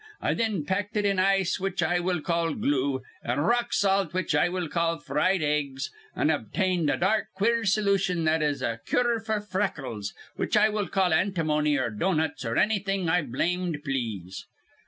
I thin packed it in ice, which I will call glue, an' rock salt, which I will call fried eggs, an' obtained a dark, queer solution that is a cure f'r freckles, which I will call antimony or doughnuts or annything I blamed please.'